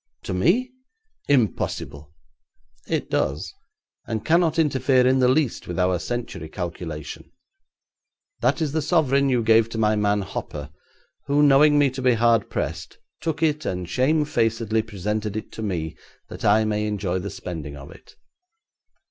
'To me? Impossible!' 'It does, and cannot interfere in the least with our century calculation. That is the sovereign you gave to my man Hopper, who, knowing me to be hard pressed, took it and shamefacedly presented it to me, that I might enjoy the spending of it.